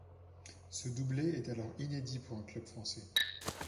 Ce doublé est alors inédit pour un club français.